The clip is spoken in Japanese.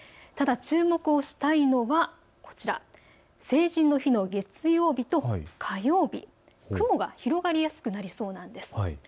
ただ、注目をしたいのはこちら、成人の日の月曜日と火曜日、雲が広がりやすくなりそうなんです。